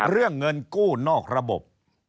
เรื่องเงินกู้นอกระบบ